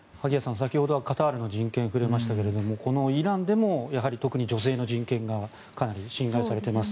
先ほどはカタールの人権に触れましたけれどもこのイランでも特に女性の人権がかなり侵害されています。